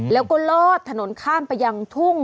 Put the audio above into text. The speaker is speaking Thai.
แล้วก็ลอดถนนข้ามไปยังทุ่ง